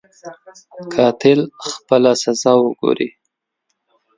قاتل خپله سزا وګوري.